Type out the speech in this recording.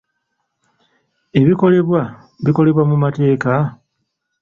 Ebikolebwa bikolebwa mu mateeka?